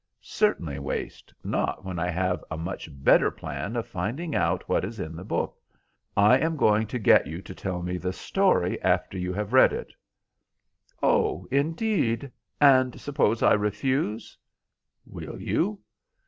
"Certainly waste. Not when I have a much better plan of finding out what is in the book. I am going to get you to tell me the story after you have read it." "Oh, indeed, and suppose I refuse?" "Will you?"